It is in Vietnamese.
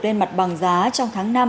lên mặt bằng giá trong tháng năm